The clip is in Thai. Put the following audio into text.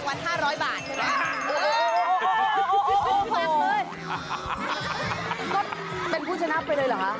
ก็เป็นผู้ชนะไปเลยเหรอคะ